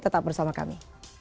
tetap bersama kami